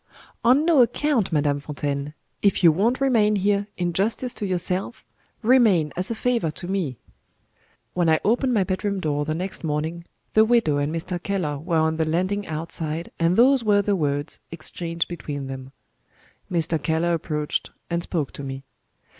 "On no account, Madame Fontaine. If you won't remain here, in justice to yourself, remain as a favor to me." When I opened my bedroom door the next morning, the widow and Mr. Keller were on the landing outside, and those were the words exchanged between them. Mr. Keller approached, and spoke to me.